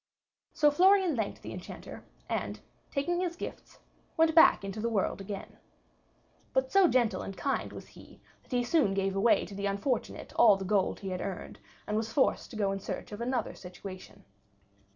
So Florian thanked the Enchanter, and taking his gifts, went back into the world again. But so gentle and kind was he that he soon gave away to the unfortunate all the gold he had earned, and was forced to go in search of another situation.